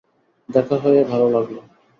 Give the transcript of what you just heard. দেখা হয়ে ভালো লাগল।